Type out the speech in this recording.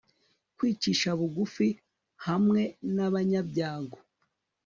kwicisha bugufi hamwe n'abanyabyago